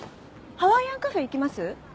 ハワイアンカフェ行きます？